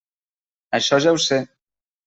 Això ja ho sé.